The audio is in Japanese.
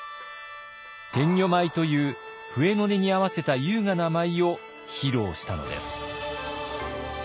天女舞という笛の音に合わせた優雅な舞を披露したのです。